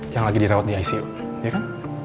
yang lagi dirawat di icu ya kan